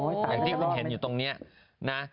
อย่างที่คุณเห็นอยู่ตรงนี้นะ